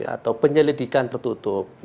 atau penyelidikan tertutup